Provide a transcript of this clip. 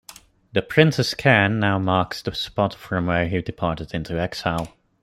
The Prince's Cairn now marks the spot from where he departed into exile.